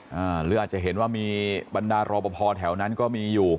หรืออาจจะเห็นว่ามีบรรดารอปภแถวนั้นก็มีอยู่